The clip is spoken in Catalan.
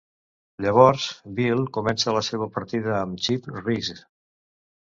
Llavors, Beal comença la seva partida amb Chip Reese.